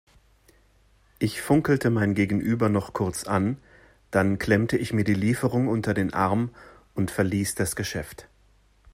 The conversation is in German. Ich funkelte mein Gegenüber noch kurz an, dann klemmte ich mir die Lieferung unter den Arm und verließ das Geschäft.